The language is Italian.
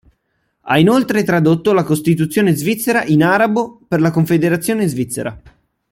Ha inoltre tradotto la Costituzione svizzera in arabo per la Confederazione svizzera.